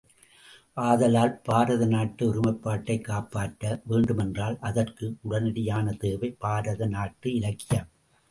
ஆதலால், பாரத நாட்டு ஒருமைப்பாட்டைக் காப்பாற்ற வேண்டுமென்றால் அதற்கு உடனடியான தேவை பாரத நாட்டு இலக்கியம்.